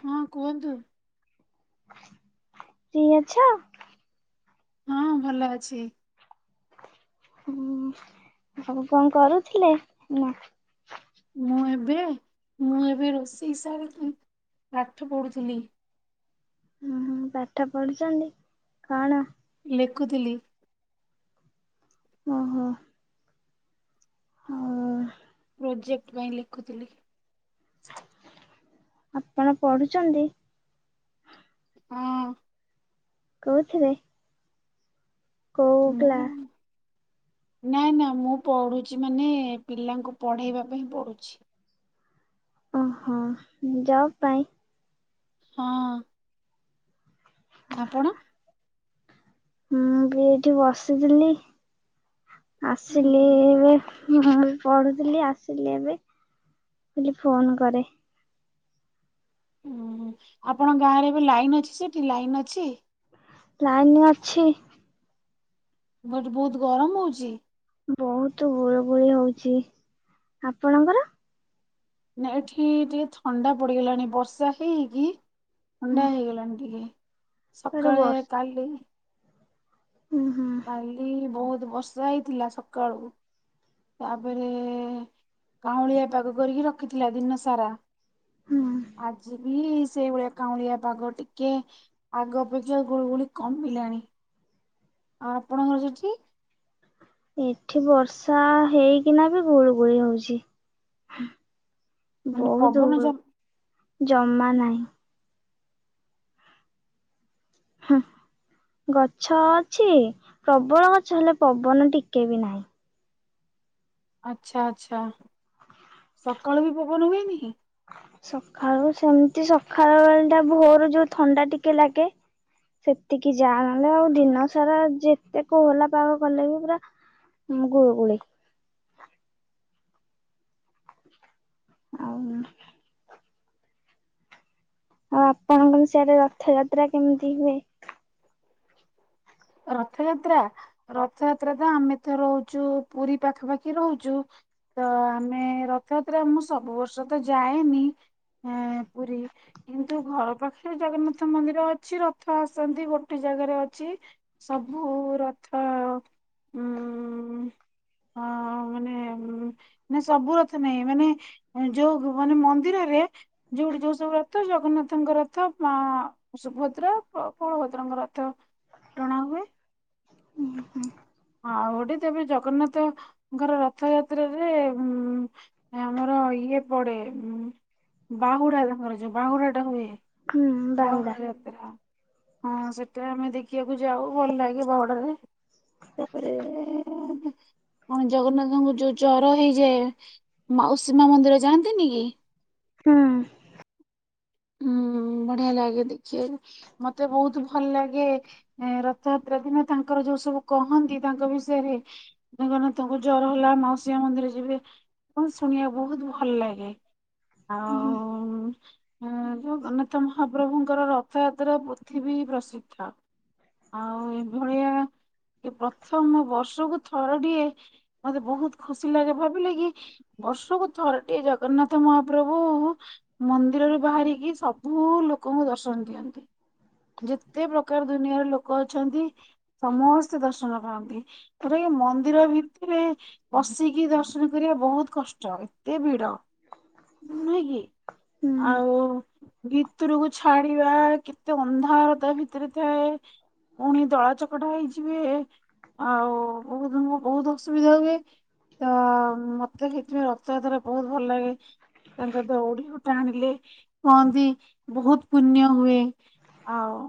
ହଁ କୁହନ୍ତୁ? ଫ୍ରୀ ଅଛ? ହଁ ଭଲ ଅଛି। ହୁଁ ଆଉ କଣ କରୁଥିଲେ ନା ମୁଁ ଏବେ ମୁଁ ଏବେ ରୋଷେଇ ସାରିକି ପାଠ ପଢୁଥିଲି। ହୁଁ ପାଠ ପଢୁଛନ୍ତି କଣ ଲେଖୁଥିଲି। ଓହୋ। ହୁଁ। ପ୍ରୋଜେକ୍ଟ୍ ପାଇଁ ଲେଖୁଥିଲି ଆପଣ ପଢୁଛନ୍ତି? ହଁ। କୋଉଥିରେ? କୋଉ କ୍ଲା ମୁଁ ନା ନା ମୁଁ ପଢୁଛି ମାନେ ପିଲାଙ୍କୁ ପଢେଇବା ପାଇଁ ପଢୁଛି। ଓହୋ ଜବ ପାଇଁ? ହଁ। ଆପଣ?? ମୁଁ ବି ଏଇଠି ବସିଥିଲି ଆସିଲି ଏବେ। ମୁଁ ପଢୁଥିଲି ଆସିଲି ଏବେ ବୋଲି ଫୋନ କରେ। ଉଁ ଆପଣଙ୍କ ଗାଁରେ ଏବେ ଲାଇନ୍ ଅଛି ସେଠି ଲାଇନ୍ ଅଛି? ଲାଇନ୍ ଅଛି। ବଟେ ବହୁତ ଗରମ ହଉଛିି? ବହୁତ ଗୁଳୁଗୁଳି ହଉଛି ଆପଣଙ୍କର,? ନା ଏଠି ଟିକେ ଥଣ୍ଡା ପଡିଗଲାଣି ବର୍ଷା ହେଇକି। ହଁ ଥଣ୍ଡା ହେଇଗଲାଣି ଟିକେ ଇଆଡ଼େ ସକାଳେ ଖାଲି। ଉଁ ହୁଁ। କାଲି ବହୁତ ବର୍ଷା ହେଇଥିଲା ସକାଳୁ। ତାପରେ କାଉଁଳିଆ ପାଗ କରିକି ରଖିଥିଲା ଦିନ ସାରା। ହୁଁ। ଆଜି ବି ସେଇଭଳିଆ କାଉଁଳିଆ ପାଗ ଟିକେ ଆଗ ଅପେକ୍ଷା ଗୁଳିୁଗୁଳି କମିଲାଣି। ଆଉ ଆପଣଙ୍କର ସେଠି? ଏଠି ବର୍ଷା ହେଇକିନା ବି ଗୁଳିୁ ଗୁଳି ହଉଛି। ମାନେ ବହୁତ ପବନ ବୋଲୁ ଜମା ଜମା ନାହିଁ। ହୁଁ ଗଛ ଅଛି ପ୍ରବଳ ଗଛ ହେଲେ ପବନ ଟିକେ ବି ନାହିଁ। ଆଚ୍ଛା ଆଛା ସକାଳୁ ବି ପବନ ହୁଏନି ସକାଳୁ ସେମିତି ସକାଳୁଳ ଟା ଭୋର ଯୋଉ ଥଣ୍ଡା ଟିକେ ଲାଗେ। ସେତିକି ଯା ନେଲେ ଆଉ ଦିନ ସାରା ଯେତେ କୋହଲା ପାଗ କଲେ ବି ପୁରା। ହଁ ଗୁଳୁ ଗୁଳିି। [unintelligible] ଆଉ ଆପଣଙ୍କ ସେଆରେ ରଥଯାତ୍ରା କେମିତି ହୁଏ? ରଥଯାତ୍ରା ରଥଯାତ୍ରା ତ ଆମେ ତ ରହୁଛୁ ପୁରୀ ପାଖାପାଖି ରହୁଛୁ। ତ ଆମେ ରଥଯାତ୍ରା ମୁଁ ସବୁ ବର୍ଷ ତ ଯାଏନି। ହଁ ପୁରୀ କିନ୍ତୁ ଘର ପାଖରେ ଜଗନ୍ନାଥ। ରଥ ମନ୍ଦିର ଅଛି ରଥ ଆସନ୍ତି ଗୋଟେ ଜାଗାରେ ଅଛି। ସବୁ ରଥ ଉଁ ହଁ ମାନେ ନା ସବୁ ରଥ ନାଇଁ ମାନେ। ଏଁ ଯୋଉକୁ ମାନେ ମନ୍ଦିରରେ ଯୋଉଠି ଯୋଉ ସବୁ ରଥ ଜଗନ୍ନାଥଙ୍କ ରଥ ମଅ ସୁଭଦ୍ରା ବ ବଳଭଦ୍ରଙ୍କ ରଥ ଟଣାହୁଏ। ଉଁ ହୁଁ। ଆଉ ଗୋଟେ ତେବେ ଜଗନ୍ନାଥଙ୍କର ରଥଯାତ୍ରରେ ଉଁ ଆମର ଇଏ ପଡେ ଉଁ ବାହୁଡା ତାଙ୍କର ଯୋଉ ବାହୁଡାଟା ହୁଏ। ହୁଁ କଁ ବାହୁଡା କହିଲେ ହଁ ସେଟା ଆମେ ଦେଖିବାକୁ ଯାଉ ଭଲଲାଗେ ବାହୁଡାରେ। ତାପରେ ଏ ଆମେ ଆମ ଜଗନ୍ନାଥଙ୍କୁ ଯୋଉ ଜର ହେଇଯାଏ ମାଉସୀ ମାଆ ମନ୍ଦିର ଯାଆନ୍ତିନି କି। ହୁଁ। ହୁଁ ବଢିଆ ଲାଗେ ଦେଖିବାକୁ ମତେ ବୋହୁତ ଭଲଲାଗେ। ଏ ରଥଯାତ୍ରା ଦିନ ତାଙ୍କର ଯୋଉ ସବୁ କହନ୍ତି ତାଙ୍କ ବିଷୟରେ। ଜଗନ୍ନାଥଙ୍କୁ ଜର ହେଲା ମାଉସୀମାଆ ମନ୍ଦିର ଯିବେ। ପଣ ଶୁଣିବା ବୋହୁତ ଭଲ ଲାଗେ ହୁଁ ଆଉ ହୁଁ ଜଗନ୍ନାଥ ମହାପ୍ରଭୁଙ୍କର ରଥଯାତ୍ରା ପୃଥିବୀ ପ୍ରସିଦ୍ଧ। ଆଉ ଏଇଭଳିଆ ଏ ପ୍ରଥମ ବର୍ଷକୁ ଥରଟିଏ ମତେ ବୋହୁତ ଖୁସିଲାଗେ ଭାବିଲେ କି। ବର୍ଷକୁ ଥରଟିଏ ଜଗନ୍ନାଥ ମହାପ୍ରଭୁ ମନ୍ଦିରରେ ବାହାରିକି ସବୁ ଲୋକଙ୍କୁ ଦର୍ଶନ ଦିଅନ୍ତି। ଯେତେ ପ୍ରକାର ଦୁନିଆର ଲୋକ ଅଛନ୍ତି ସମସ୍ତେ ଦର୍ଶନ କରନ୍ତି। ଉରେ ମନ୍ଦିର ଭିତରେ ପସିକି ଦର୍ଶନ କରିବା ବୋହୁତ କଷ୍ଟ ଏତେ ଭିଡ ନୁହେଁ କି। ଆଉ ହୁଁ ଭିତୁରୁକୁ ଛାଡିବା କେତେ ଅନ୍ଧାର ତା ଭିତରେ ଥାଏ। ପୁଣି ଦଳାଚକଟା ହେଇଯିବେ। ଆଉ ବୋହୁତ ନୁହ ବୋହୁତ ଅସୁବିଧା ହୁଏ। ତ ମତେ ହେଥିପାଇଁ ରଥଯାତ୍ରା ବୋହୁତ ଭଲଲାଗେ। ତାଙ୍କର ଦୋଉଡ଼ିକୁ ଟାଣିଲେ କୁହନ୍ତି ବୋହୁତ ପୁନ୍ୟ ହୁଏ ଆଉ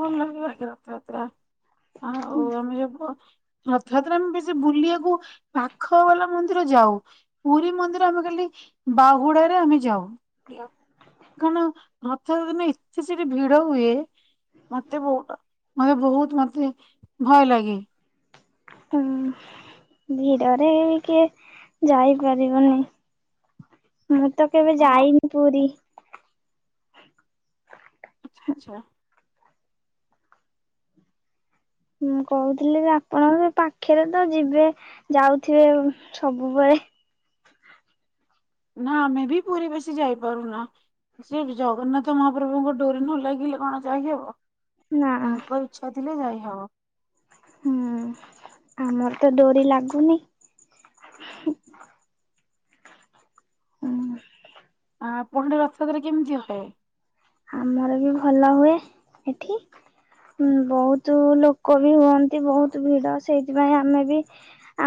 ଭଲାଲାଗେ ବାକି ରଥଯାତ୍ରା ଆଉ ଅଁ ଆମେ ଯିବୁ ରଥଯାତ୍ରା ଆମେ ବେଶୀ ସେ ବୁଲିବାକୁ ପାଖବାଲା ମନ୍ଦିର ଯାଉ। ପୁରୀ ମନ୍ଦିର ଆମେ ଖାଲି ବାହୁଡାରେ ଆମେ ଯାଉ। କଣ ରଥଯାତ୍ରା ଦିନ ଏତେ ସେଠି ଭିଡ ହୁଏ। ମତେ ବୋହୁତ ମତେ ବୋହୁତ ମତେ ଭୟଲାଗେ। କୁଁ ଭିଡ଼ରେ କିଏ ଯାଇପାରିବନି। ମୁଁ ତ କେବେ ହଁ ଯାଇନି ପୁରୀ। ଆଛା ଆଛା। ମୁଁ କୋହୁଥିଲି ବି ଆପଣଙ୍କ ପାଖେରେ ତ ଯିବେ ଯାଉଥିବେ ସବୁବେଳେ। ନା ଆମେ ବି ପୁରୀ ବେଶୀ ଯାଇପାରୁନା। ସେ ଜଗନ୍ନାଥ ମହାପ୍ରଭୁଙ୍କ ଡୋରି ନ ଲାଗିଲେ କଣ ଯାଇହବ। ନା ତାଙ୍କ ଇଚ୍ଛା ଥିଲେ ଯାଇହେବ। ହୁଁ ଆମର ତ ଡୋରି ଲାଗୁନି। ଉଁ ଆପ ହଡି ରଥଯାତ୍ରା କେମିତି ହଏ? ଆମର ବି ଭଲହୁଏ ଏଠି। ହୁଁ ବୋହୁତୁ ଲୋକ ବି ହୁଅନ୍ତି ବୋହୁତୁ ଭିଡ ସେଇଥିପାଇଁ ଆମେ ବି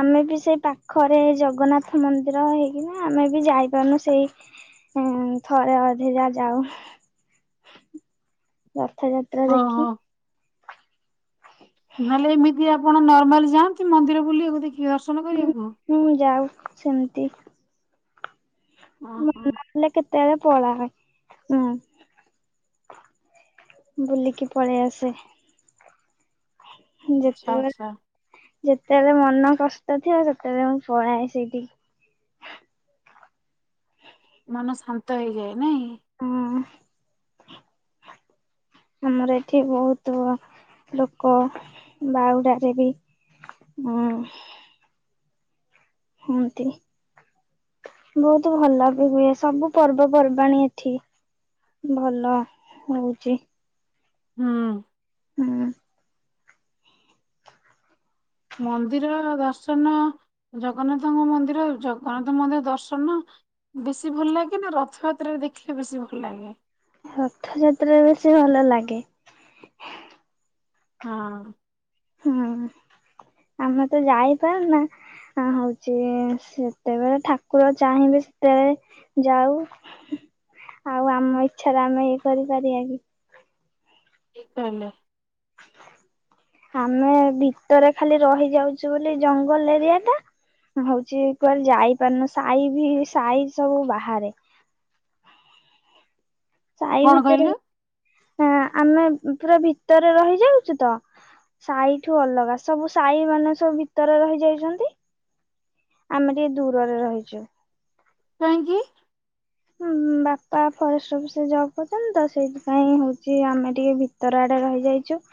ଆମେ ବି ସେଇ ପାଖରେ ଜଗନ୍ନାଥ ମନ୍ଦିର ହେଇକିନା ଆମେ ବି ଯାଇପାରୁନୁ ସେଇ ହୁଁ ଥରେ ଅଧେ ଯାହା ଯାଉ। ରଥଯାତ୍ରା ଓହୋ ଦେଖି। ନହେଲେ ଏମିତି ଆପଣ ନର୍ମାଲ ଯାଆନ୍ତି ମନ୍ଦିର ବୁଲିବାକୁ ଦେଖିବେ ଦର୍ଶନ କରିବାକୁ। ହଁ ଯାଉ ସେମିତି। ଓହୋ ମନହେଲେ କେତେବେଳେ ପଳାଉ ଉୁଁ ବୁଲିକି ପଳେଇ ଆସେ। ଆଚ୍ଛା ଯେତେବେଳେ ଆଚ୍ଛା ଯେତେବେଳେ ମନ କଷ୍ଟ ଥିବ ସେତେବେଳେ ମୁଁ ପଳାଏ ସେଇଠିକି। ମନ ଶାନ୍ତ ହେଇଯାଏ ନାଇଁ। ହଁ ଆମର ଏଠି ବହୁତ ଲୋକ ବାହୁଡ଼ା ରେ ବି ହୁଁ ହୁଅନ୍ତି। ବହୁତ ଭଲ ବି ହୁଏ ସବୁ ପର୍ବପର୍ବାଣୀ ଏଠି। ଭଲ ହଉଛି। ହୁଁ ହୁଁ ମନ୍ଦିର ଦର୍ଶନ ଜଗନ୍ନାଥଙ୍କ ମନ୍ଦିର ଜଗନ୍ନାଥ ମନ୍ଦିର ଦର୍ଶନ ବେଶୀ ଭଲ ଲାଗେ ନା ରଥଯାତ୍ରାରେ ଦେଖିଲେ ବେଶୀ ଭଲ ଲାଗେ? ରଥଯାତ୍ରା ବେଶୀ ଭଲ ଲାଗେ। ହଁ ହଁ ଆମେ ତ ଯାଇପାରୁନା ହଁ ହଉଛି ସେତେବେଳେ ଠାକୁର ଚାହିଁବେ ସେତେବେଳେ ଯାଉ ଆଉ ଆମ ଇଚ୍ଛାରେ ଆମେ ଇଏ କରିପାରିବା କି? ଠିକ୍ କହିଲେ। ଆମେ ଭିତରେ ଖାଲି ରହିଯାଉଛୁ ବୋଲି ଜଙ୍ଗଲ ଏରିଆ ଟା। ହୋଉଛି କୁଆଡେ ଯାଇପାରୁନୁ ସାଇବି ସାଇ ସବୁ ବାହାରେ। ସାଇ କଣ ଭିତରେ କହିଲେ ଆଁ ଆମେ ପୁରା ଭିତରେ ରହିଯାଇଚୁ ତ ସାଇଠୁ ଅଲଗା ସବୁ ସାଇ ମାନେ ସବୁ ଭିତରେ ରହି ଯାଇଛନ୍ତି। ଆମେ ଟିକେ ଦୂରରେ ରହିଛୁ। କାହିଁକି? ବାପା ଫରେଷ୍ଟ ଅଫିସିରେ ଜବ୍ କରିଛନ୍ତି ତ ସେଇଥିପାଇଁ ହଉଛି ଆମେ ଟିକେ ଭି ତର ଆଡେ ରହିଯାଇଛୁ।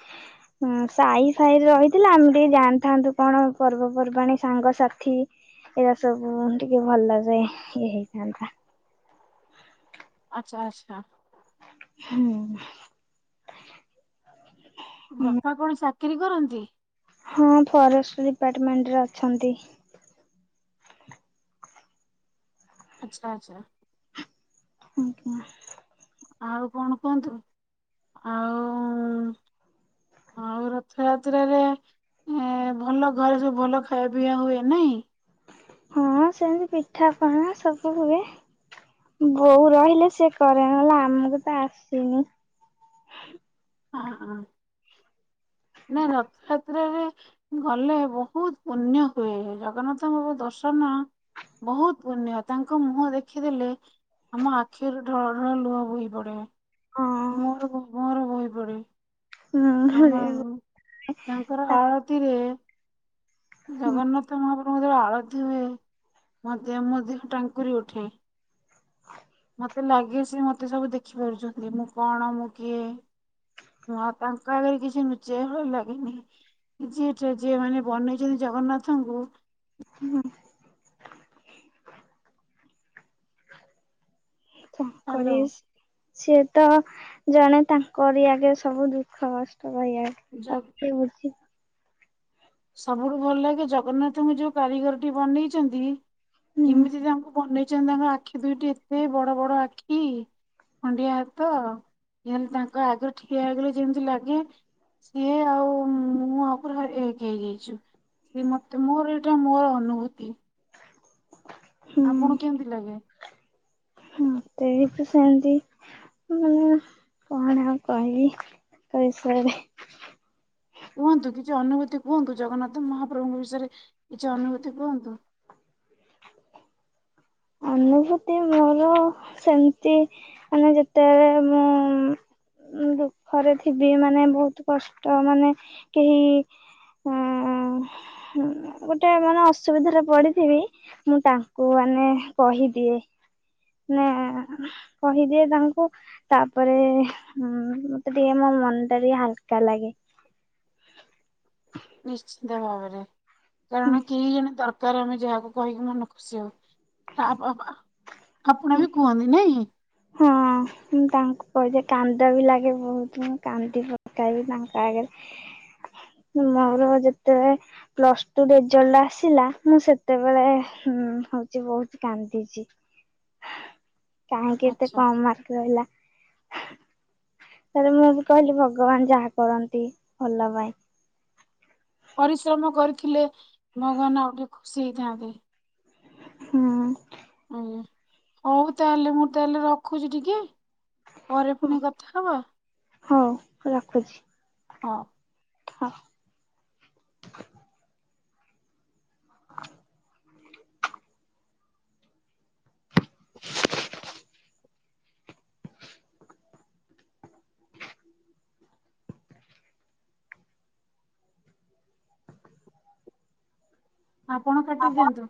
ହୁଁ ସାଇ ଫାଇରେ ରହିଥିଲେ ଆମେ ଟିକେ ଜାଣିଥାନ୍ତୁ କଣ ପର୍ବପର୍ବାଣି ସାଙ୍ଗସାଥି। ଏଇରା ସବୁ ଟିକେ ଭଲରେ ଇଏ ହେଇଥାନ୍ତା। ଚା ଚା ହୁଁ ବାପା କଣ ଚାକିରୀ କରନ୍ତି? ହଁ ଫରେଷ୍ଟ ଡିପାର୍ଟମେଣ୍ଟ ରେ ଅଛନ୍ତି। ଆଚ୍ଛା ଆଚ୍ଛା। ଆଜ୍ଞା। ଆଉ କଣ କୁହନ୍ତୁ ଆଉ। ଆଉ ରଥଯାତ୍ରରେ ଏ ଭଲ ଘରେ ସବୁ ଭଲ ଖାଇବା ପିଇବା ହୁଏ ନାଇଁ। ହଁ ସେମିତି ପିଠାପଣା ସବୁ ହୁଏ। ବୋଉ ରହିଲେ ସିଏ କରେ ନହେଲେ ଆମକୁ ତ ଆସିନି। ଅ ହଁ ନା ରଥଯାତ୍ରାରେ ଗଲେ ବହୁତ୍ ପୁଣ୍ୟ ହୁଏ ଜଗନ୍ନାଥଙ୍କୁ ଦର୍ଶନ ବହୁତ ପୁଣ୍ୟ ତାଙ୍କ ମୁହଁ ଦେଖିଦେଲେ ଆମ ଆଖିରୁ ଢଳଢଳ ଲୁହ ବୋହି ପଡେ। ହଁ ହୁଁ ଆମର ହୁଁ। ବି ତାଙ୍କର ଆଳତିରେ ଜଗନ୍ନାଥ ମହାପ୍ରଭୁଙ୍କ ଯୋଉ ଆଳତି ହୁଏ ମୋ ଦେ ମୋ ଦେହ ଟାଙ୍କୁରି ଉଠେ। ମତେ ଲାଗେ ସିଏ ମତେ ସବୁ ଦେଖି ପାରୁଛନ୍ତି ମୁଁ କଣ ମୁଁ କିଏ। ହଁ ତାଙ୍କ ଆଗରେ କିଛି ନୁଚେଇ ଭଲ ଲାଗେନି। ଯିଏ ଯିଏ ମାନେ ବନେଇ ଚନ୍ତି ଜଗନ୍ନାଥଙ୍କୁ [unintelligible] ତାଙ୍କରି ହ୍ୟାଲୋ ସିଏ ତ ଜଣେ ତାଙ୍କରି ଆଗେ ସବୁ ଦୁଃଖ କଷ୍ଟ କହିବା। [unintelligible] [unintelligible] ସବୁଠୁ ଭଲ ଲାଗେ ଜଗନ୍ନାଥଙ୍କୁ ଯୋଉ କାରିଗର ଟି ବନେଇଛନ୍ତି ହୁଁ କେମିତି ତାଙ୍କୁ ବନେଇଛନ୍ତି ତାଙ୍କ ଆଖି ଦୁଇଟି ଏତେ ବଡ ବଡ ଆଖି। ଖଣ୍ଡିଆ ହାତ ଯାହେଲେ ତାଙ୍କ ଆଗରେ ଠିଆ ହେଇଗଲେ ଯେମିତି ଲାଗେ ସିଏ ଆଉ ମୁଁ [unintelligible] ଏକ୍। ହେଇଯାଇଚୁ। ସେ ମତେ ମୋର ଏଇଟା ମୋର ଅନୁଭୂତି। ଆପଣଙ୍କୁ ହୁଁ କେମିତି ଲାଗେ? ମତେ ବି ସେନ୍ତି। ମୁଁ କଣ ଆଉ କହିବି ତାଙ୍କ ବିଷୟରେ। କୁହନ୍ତୁ କିଛି ଅନୁଭୂତି କୁହନ୍ତୁ ଜଗନ୍ନାଥ ମହାପ୍ରଭୁଙ୍କ ବିଷୟରେ କିଛି ଅନୁଭୂତି କୁହନ୍ତୁ। ଅନୁଭୂତି ମୋର ସେମିତି ମାନେ ଯେତେବେଳେ ମୁଁ ଦୁଃଖରେ ଥିବି ମାନେ ବହୁତ କଷ୍ଟ ମାନେ କେହି ଉଁ ଗୋଟେ ମାନେ ଅସୁବିଧାରେ ପଡ଼ିଥିବି ମୁଁ ତାଙ୍କୁ ମାନେ କହିଦିଏ। ମାନେ କହିଦିଏ ତାଙ୍କୁ। ତାପରେ ମତେ ଟିକେ ମୋ ମନ ଟା ଟିକେ ହାଲକା ଲାଗେ। ନିଶ୍ଚିନ୍ତ ଭାବରେ। କାରଣ କେହି ଜଣେ ଦର କାର ଆମେ ଯାହାକୁ କହିକି ମନ ଖୁସି ହଉ। ଆ ଅପ୍ ଆପଣ ବି କୁହନ୍ତି ନାଇଁ? ହଁ। ମୁଁ ତାଙ୍କୁ କହିଦିଏ। କାନ୍ଦ ବି ଲାଗେ ବହୁତ ମୁଁ କାନ୍ଦି ପକାଏବି ତାଙ୍କ ଆଗରେ। ମୋର ଯେତେବେଳେ ପ୍ଲସ ଟୁ ରେଜଲ୍ଟ ଆସିଲା ମୁଁ ସେତେବେଳେ ହଉଚି ବହୁତ କାନ୍ଦିଚି। କାହିଁକି ଏତେ ଆଚ୍ଛା କମ ମାର୍କ ରହିଲା। ତାପରେ ମୁଁ ବି କହିଲି ଭଗବାନ ଯାହା କରନ୍ତି ଭଲ ପାଇଁ। ପରିଶ୍ରମ କରିଥିଲେ ଭଗବାନ ଆଉ ଟିକେ ଖୁସି ହେଇଥାନ୍ତେ। ହୁଁ। ହଉ ତାହେଲେ ମୁଁ ତାହେଲେ ରଖୁଛି ଟିକେ। ପରେ ପୁଣି କଥା ହବ? ହଉ ରଖୁଚି। ହଁ। ହଁ। [inaudible] ଆପଣ କାଟି ଦିଅନ୍ତୁ।